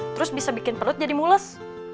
terus bisa bikin pelut jadi mulus